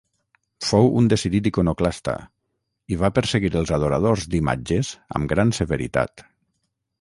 Fou un decidit iconoclasta i va perseguir els adoradors d'imatges amb gran severitat.